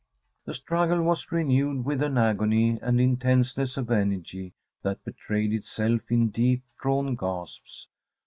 The struggle was renewed with an agony and intenseness of energy that betrayed itself in deep drawn gasps.